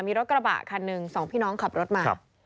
มีรถกระบะคันหนึ่งสองพี่น้องขับรถมา